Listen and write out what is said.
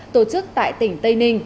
tổ chức tại tỉnh tây ninh